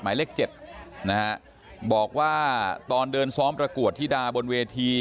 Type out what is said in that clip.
หมายเลขเจ็ดนะฮะบอกว่าตอนเดินซ้อมประกวดธิดาบนเวที